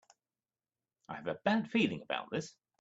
I have a bad feeling about this!